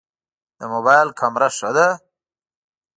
د موبایل کمره ښه ده؟